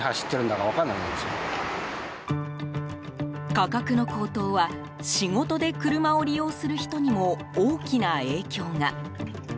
価格の高騰は仕事で車を利用する人にも大きな影響が。